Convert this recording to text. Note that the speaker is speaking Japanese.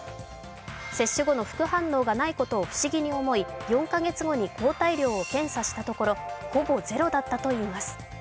接種後の副反応がないことを不思議に思い４か月後に抗体量を検査したところほぼゼロだったといいます。